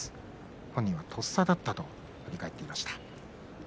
本人は、とっさだったと振り返っていました。